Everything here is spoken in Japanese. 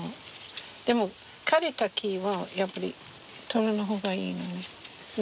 でも枯れた木はやっぱり取る方がいいね。